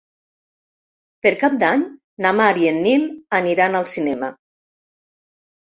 Per Cap d'Any na Mar i en Nil aniran al cinema.